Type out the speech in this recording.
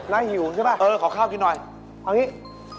แล้วหิวใช่ไหมเออขอข้าวกินหน่อยเอาอย่างนี้